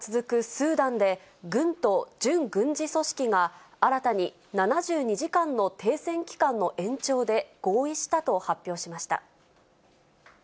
スーダンで、軍と準軍事組織が、新たに７２時間の停戦期間の延長で合意したと発表しました。